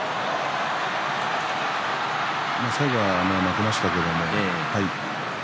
最後は負けましたけど。